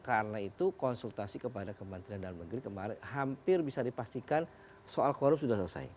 karena itu konsultasi kepada kementerian dalam negeri kemarin hampir bisa dipastikan soal korup sudah selesai